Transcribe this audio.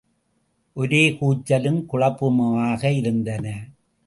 ஒரே கூச்சலும் குழப்பமுமாக இருந்தன.